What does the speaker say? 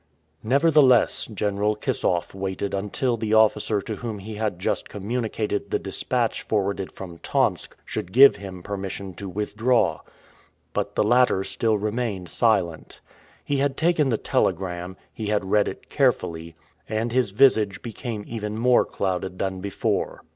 Nevertheless, General Kissoff waited until the officer to whom he had just communicated the dispatch forwarded from Tomsk should give him permission to withdraw; but the latter still remained silent. He had taken the telegram, he had read it carefully, and his visage became even more clouded than before.